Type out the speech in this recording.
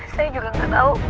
saya juga gak tau